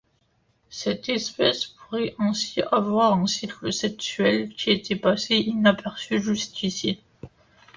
Cette espèce pourrait ainsi avoir un cycle sexuel qui était passé inaperçu jusqu'ici.